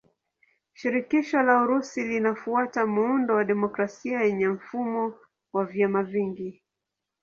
Shirikisho la Urusi linafuata muundo wa demokrasia yenye mfumo wa vyama vingi.